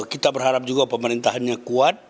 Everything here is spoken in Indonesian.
kita berharap juga pemerintahannya kuat